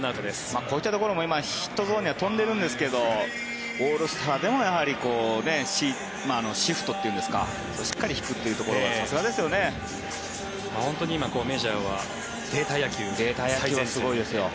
こういったところも今、ヒットゾーンには飛んでるんですけどオールスターでもシフトというんですかしっかり敷くというところがさすがですよね。